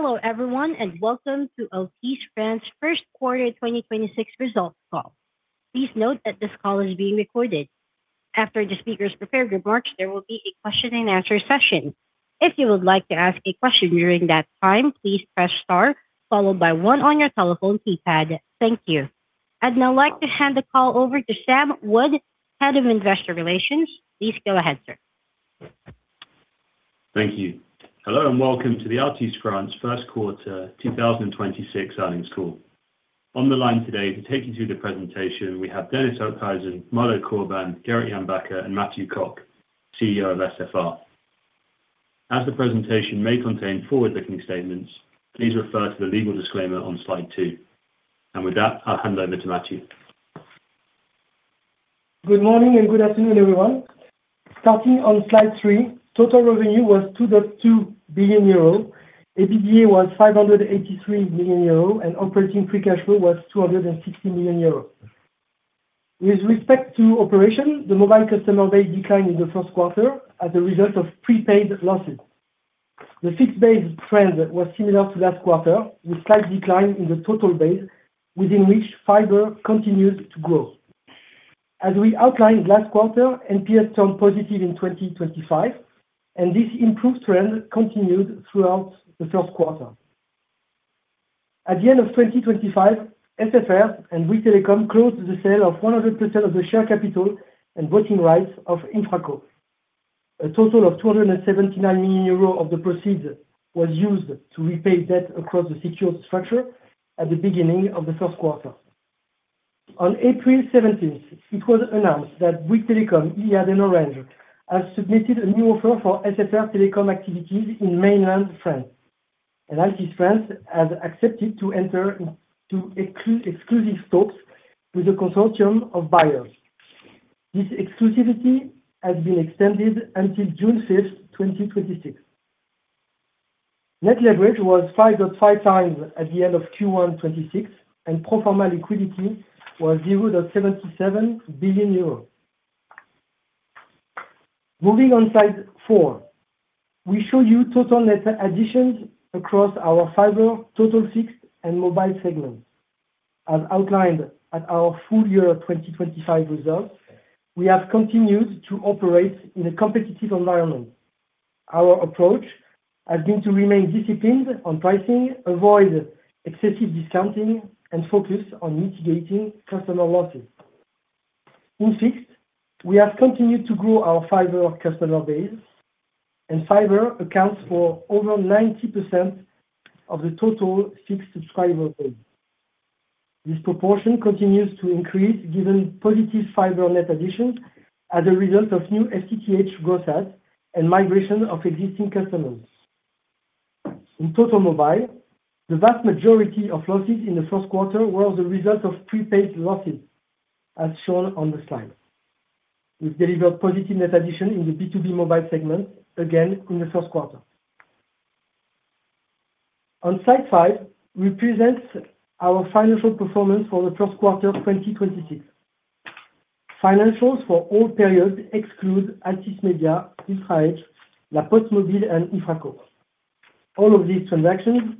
Hello everyone, and welcome to Altice France First Quarter 2026 Results Call. Please note that this call is being recorded. After the speakers prepared remarks, there will be a question-and-answer session. If you would like to ask a question during that time, please press star followed by one on your telephone keypad. Thank you. I'd now like to hand the call over to Sam Wood, Head of Investor Relations. Please go ahead, sir. Thank you. Hello, welcome to the Altice France first quarter 2026 earnings call. On the line today to take you through the presentation, we have Dennis Okhuijsen, Malo Corbin, Gerrit Jan Bakker, and Mathieu Cocq, CEO of SFR. As the presentation may contain forward-looking statements, please refer to the legal disclaimer on slide two. With that, I'll hand over to Mathieu. Good morning and good afternoon, everyone. Starting on slide three, total revenue was 2.2 billion euro, EBITDA was 583 million euro, and operating free cash flow was 260 million euro. With respect to operation, the mobile customer base declined in the first quarter as a result of prepaid losses. The fixed-base trend was similar to last quarter, with slight decline in the total base within which fiber continued to grow. As we outlined last quarter, NPS turned positive in 2025, and this improved trend continued throughout the first quarter. At the end of 2025, SFR and Bouygues Telecom closed the sale of 100% of the share capital and voting rights of Infracos. A total of 279 million euros of the proceeds was used to repay debt across the secured structure at the beginning of the first quarter. On April 17th, it was announced that Bouygues Telecom, Iliad and Orange have submitted a new offer for SFR telecom activities in mainland France. Altice France has accepted to enter into exclusive talks with a consortium of buyers. This exclusivity has been extended until June 5th, 2026. Net leverage was 5.5x at the end of Q1 2026, and pro forma liquidity was 0.77 billion euros. Moving on to slide four. We show you total net additions across our fiber, total fixed, and mobile segments. As outlined at our full-year 2025 results, we have continued to operate in a competitive environment. Our approach has been to remain disciplined on pricing, avoid excessive discounting, and focus on mitigating customer losses. In fixed, we have continued to grow our fiber customer base, and fiber accounts for over 90% of the total fixed subscriber base. This proportion continues to increase given positive fiber net additions as a result of new FTTH gross adds and migration of existing customers. In total mobile, the vast majority of losses in the first quarter were the result of prepaid losses, as shown on the slide. We've delivered positive net addition in the B2B mobile segment again in the first quarter. On slide five, we present our financial performance for the first quarter of 2026. Financials for all periods exclude Altice Media, [UltraEdge], La Poste Mobile, and Infracos. All of these transactions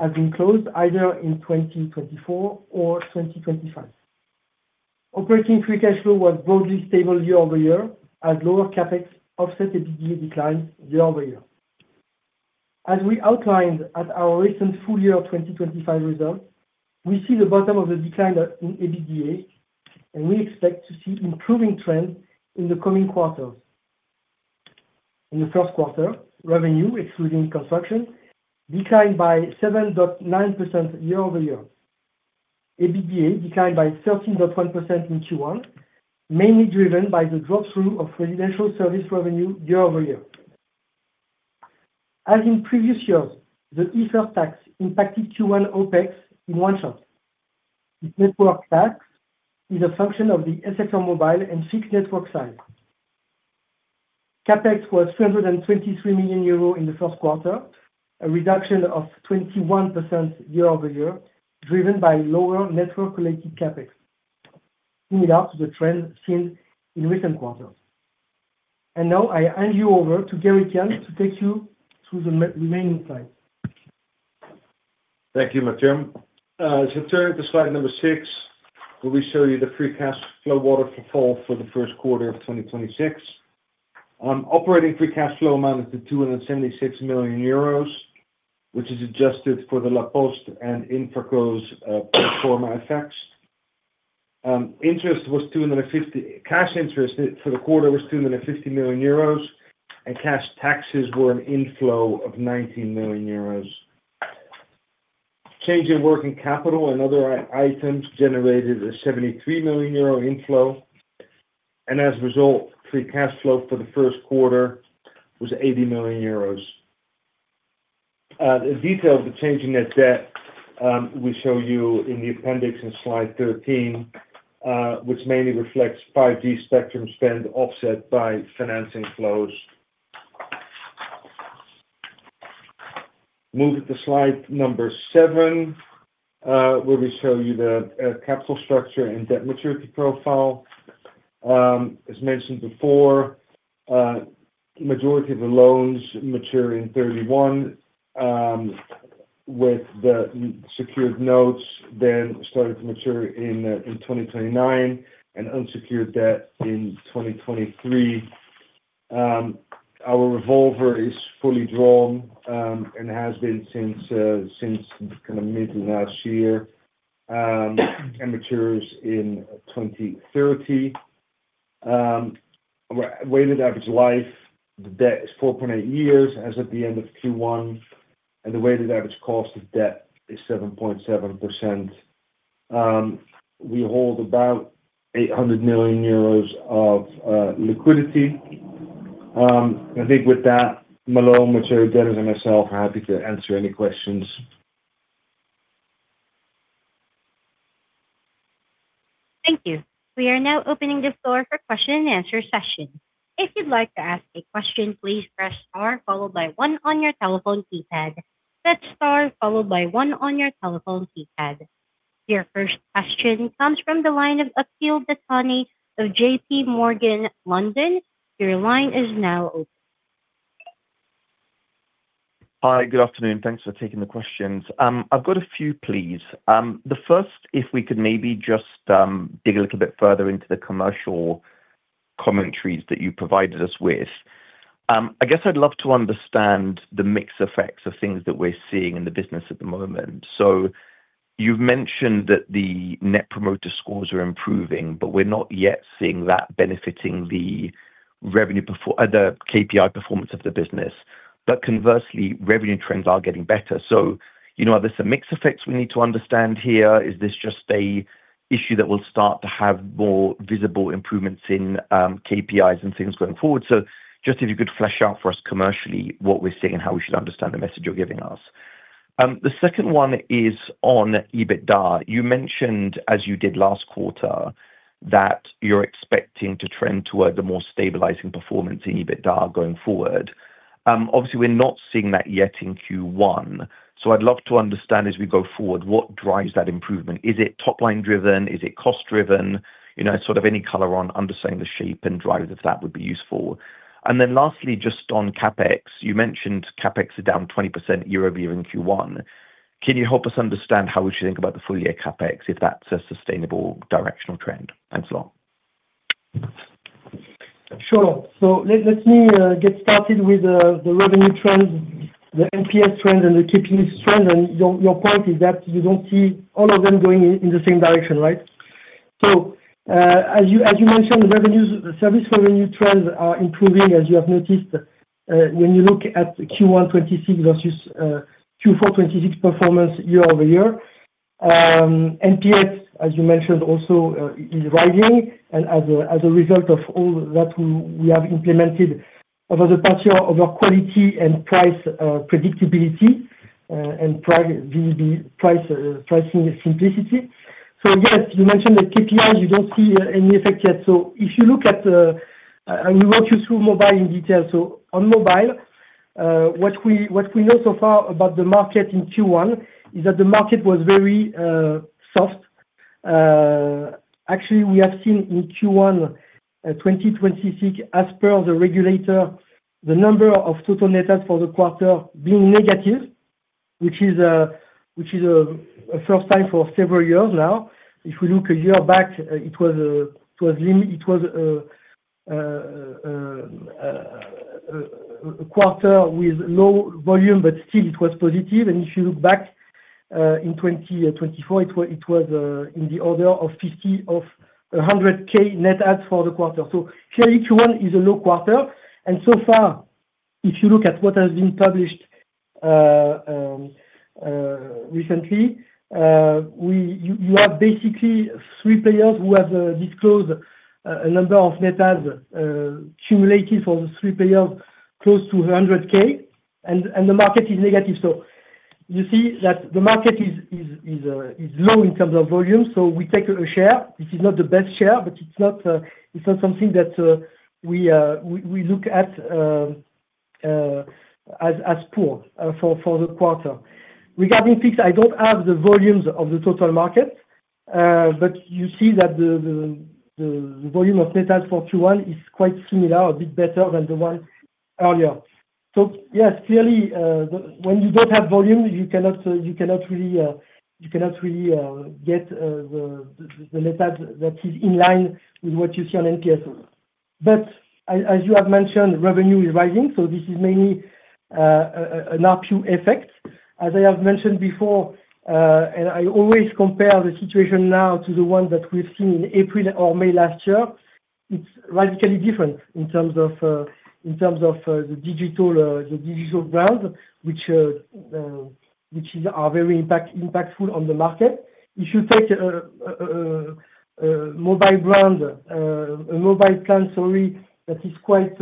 have been closed either in 2024 or 2025. Operating free cash flow was broadly stable year-over-year as lower CapEx offset EBITDA decline year-over-year. As we outlined at our recent full year 2025 results, we see the bottom of the decline in EBITDA, and we expect to see improving trends in the coming quarters. In the first quarter, revenue, excluding construction, declined by 7.9% year-over-year. EBITDA declined by 13.1% in Q1, mainly driven by the drop-through of residential service revenue year-over-year. As in previous years, the IFER tax impacted Q1 OpEx in one shot. This network tax is a function of the SFR mobile and fixed-network size. CapEx was 323 million euro in the first quarter, a reduction of 21% year-over-year, driven by lower network-related CapEx. Similar to the trend seen in recent quarters. Now I hand you over to Gerrit Jan to take you through the remaining slides. Thank you, Mathieu. As you turn to slide number six, where we show you the free cash flow waterfall for the first quarter of 2026. Operating free cash flow amounted to 276 million euros, which is adjusted for the La Poste and Infracos's pro forma effects. Cash interest for the quarter was 250 million euros. Cash taxes were an inflow of 19 million euros. Change in working capital and other items generated a 73 million euro inflow. As a result, free cash flow for the first quarter was 80 million euros. The details of changing that debt, we show you in the appendix in slide 13, which mainly reflects 5G spectrum spend offset by financing flows. Moving to slide number seven, where we show you the capital structure and debt maturity profile. As mentioned before, majority of the loans mature in 2031, with the secured notes then starting to mature in 2029, and unsecured debt in 2023. Our revolver is fully drawn and has been since mid of last year, and matures in 2030. Weighted average life, the debt is 4.8 years as of the end of Q1, and the weighted average cost of debt is 7.7%. We hold about 800 million euros of liquidity. I think with that, Malo, Mathieu, Dennis, and myself are happy to answer any questions. Thank you. We are now opening the floor for question-and-answer session. If you'd like to ask a question, please press star followed by one on your telephone keypad. That's star followed by one on your telephone keypad. Your first question comes from the line of Akhil Dattani of JPMorgan, London. Your line is now open. Hi. Good afternoon. Thanks for taking the questions. I've got a few, please. First, if we could maybe just dig a little bit further into the commercial commentaries that you provided us with. I guess, I'd love to understand the mix effects of things that we're seeing in the business at the moment. You've mentioned that the Net Promoter Scores are improving, but we're not yet seeing that benefiting the KPI performance of the business. Conversely, revenue trends are getting better. Are there some mix effects we need to understand here? Is this just an issue that will start to have more visible improvements in KPIs and things going forward? Just if you could flesh out for us commercially what we're seeing and how we should understand the message you're giving us? The second one is on EBITDA. You mentioned, as you did last quarter, that you're expecting to trend toward a more stabilizing performance in EBITDA going forward. Obviously, we're not seeing that yet in Q1. I'd love to understand, as we go forward, what drives that improvement? Is it top-line driven? Is it cost-driven? Sort of any color on understanding the shape and drivers of that would be useful. Lastly, just on CapEx. You mentioned CapEx are down 20% year-over-year in Q1. Can you help us understand how we should think about the full-year CapEx, if that's a sustainable directional trend? Thanks a lot. Sure. Let me get started with the revenue trends, the NPS trends, and the KPIs trend, and your point is that you don't see all of them going in the same direction, right? As you mentioned, service revenue trends are improving, as you have noticed when you look at Q1 2026 versus Q4 2026 performance year-over-year. NPS, as you mentioned also, is rising and as a result of all that we have implemented over the past year, over quality and price predictability, and the pricing simplicity. Yes, you mentioned the KPIs, you don't see any effect yet. If you look at the, I will walk you through mobile in detail. On mobile, what we know so far about the market in Q1 is that the market was very soft. Actually, we have seen in Q1 2026 as per the regulator, the number of total net adds for the quarter being negative, which is a first time for several years now. If we look a year back, it was a quarter with low volume, but still it was positive. If you look back in 2024, it was in the order of 100,000 net adds for the quarter. Clearly, Q1 is a low quarter. So far, if you look at what has been published recently, you have basically three players who have disclosed a number of net adds accumulated for the three players close to 100,000, and the market is negative. You see that the market is low in terms of volume. It's not something that we look at as poor for the quarter. Regarding fixed, I don't have the volumes of the total market. You see that the volume of net adds for Q1 is quite similar, a bit better than the one earlier. Yes, clearly, when you don't have volume, you cannot really get the net add that is in line with what you see on NPS. As you have mentioned, revenue is rising. This is mainly an ARPU effect. As I have mentioned before, and I always compare the situation now to the one that we've seen in April or May last year. It's radically different in terms of the digital brand, which are very impactful on the market. If you take a mobile plan that is quite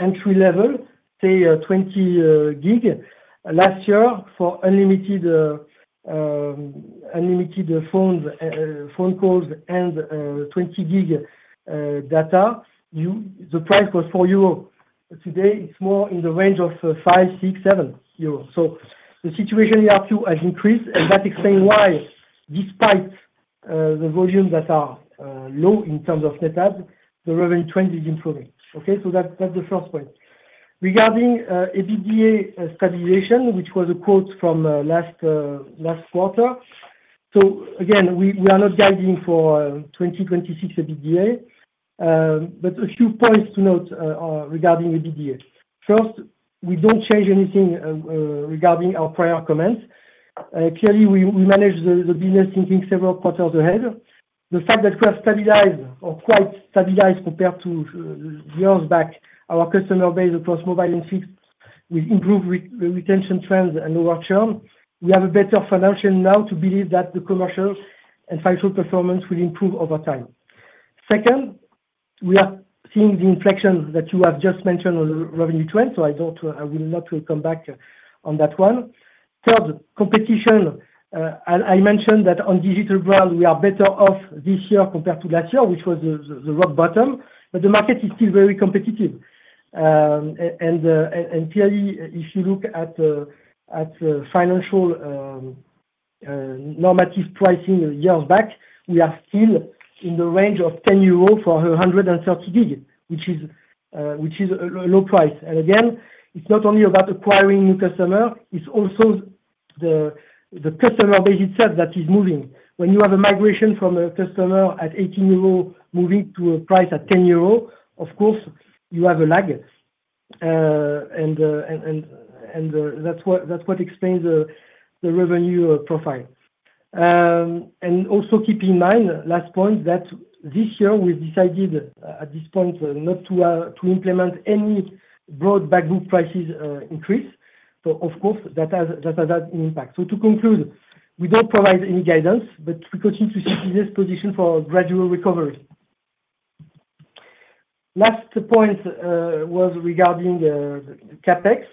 entry-level, say 20 GB. Last year, for unlimited phone calls and 20 GB data, the price was 4 euro. Today it's more in the range of 5, 6, 7 euros. The situation year after has increased, and that explains why despite the volumes that are low in terms of net add, the revenue trend is improving. That's the first point. Regarding EBITDA stabilization, which was a quote from last quarter. Again, we are not guiding for 2026 EBITDA. A few points to note regarding EBITDA. First, we don't change anything regarding our prior comments. Clearly, we manage the business thinking several quarters ahead. The fact that we have stabilized or quite stabilized compared to years back, our customer base across mobile and fixed with improved retention trends and lower churn, we have a better foundation now to believe that the commercial and financial performance will improve over time. Second, we are seeing the inflection that you have just mentioned on the revenue trend, I thought I will not come back on that one. Third, competition. I mentioned that on digital brand, we are better off this year compared to last year, which was the rock bottom. The market is still very competitive. Clearly, if you look at financial normative pricing years back, we are still in the range of 10 euros for 130 GB, which is a low price. Again, it's not only about acquiring new customer, it's also the customer base itself that is moving. When you have a migration from a customer at 18 euro moving to a price at 10 euro, of course, you have a lag. That's what explains the revenue profile. Also keep in mind, last point, that this year we've decided at this point not to implement any backbook prices increase. Of course, that has had an impact. To conclude, we don't provide any guidance, but we continue to see this position for gradual recovery. Last point was regarding the CapEx.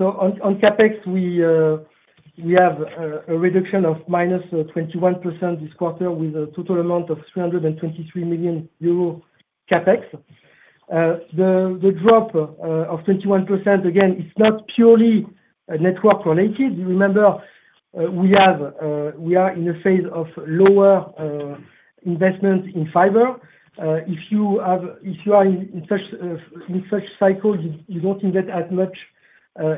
On CapEx, we have a reduction of -21% this quarter with a total amount of 323 million euro CapEx. The drop of 21% again, it's not purely network-related. Remember we are in a phase of lower investment in fiber. If you are in such cycles, you don't invest as much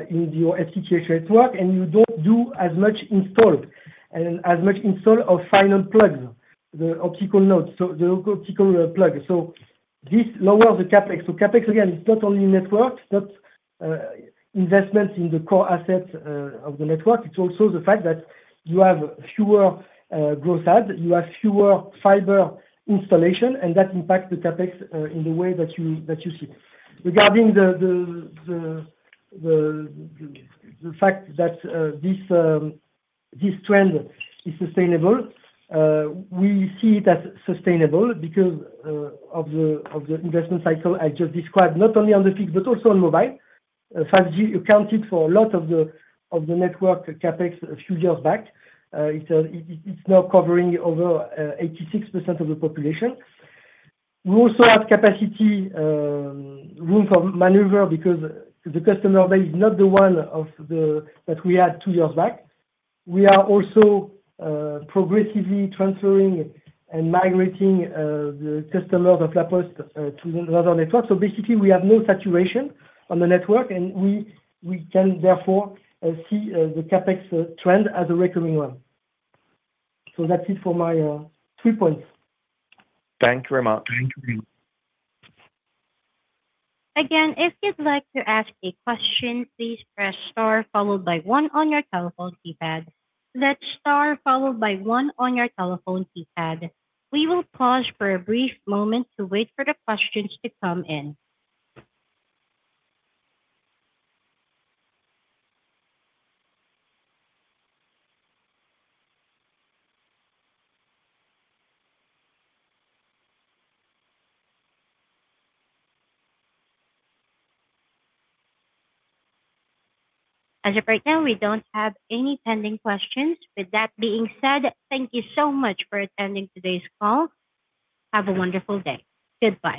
in your FTTH network, and you don't do as much install of final plugs, the optical nodes. The optical plug. This lowers the CapEx. CapEx, again, it's not only network. It's not investment in the core assets of the network. It's also the fact that you have fewer gross add. You have fewer fiber installation, and that impacts the CapEx in the way that you see. Regarding the fact that this trend is sustainable, we see it as sustainable because of the investment cycle I just described, not only on the fixed but also on mobile. 5G accounted for a lot of the network CapEx a few years back. It's now covering over 86% of the population. We also have capacity room for maneuver because the customer base is not the one that we had two years back. We are also progressively transferring and migrating the customer of La Poste to the other network. Basically we have no saturation on the network and we can therefore see the CapEx trend as a recurring one. That's it for my three points. Thank you very much. Again, if you'd like to ask a question, please press star followed by one on your telephone keypad. That's star followed by one on your telephone keypad. We will pause for a brief moment to wait for the questions to come in. As of right now, we don't have any pending questions. With that being said, thank you so much for attending today's call. Have a wonderful day. Goodbye.